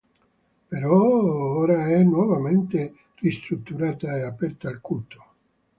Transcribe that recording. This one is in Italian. Però, ora è nuovamente ristrutturata e aperta al culto.